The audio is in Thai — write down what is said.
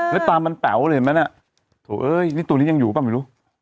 แล้วตามันแป๋วเลยเห็นไหมน่ะโถเอ้ยนี่ตัวนี้ยังอยู่ป่ะไม่รู้